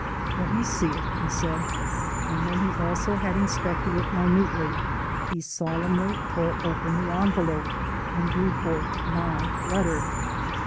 "Let me see it," he said, and when he also had inspected it minutely he solemnly tore open the envelope and drew forth my letter.